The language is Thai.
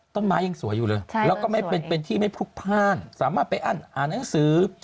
ต้นไม้ยังสวยอยู่เลยแล้วก็ไม่เป็นที่ไม่พลุกพ่านสามารถไปอั้นอ่านหนังสือ